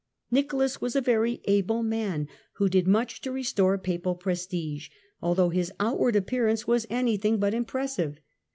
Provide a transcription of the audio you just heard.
Nicholas was a very able man, who did much to restore Papal prestige, although his outward appearance was anything but impressive.